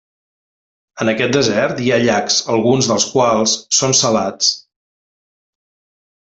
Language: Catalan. En aquest desert hi ha llacs, alguns dels quals són salats.